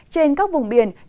trên các vùng biển